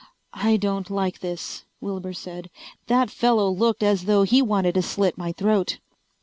"I don't like this," Wilbur said. "That fellow looked as though he wanted to slit my throat."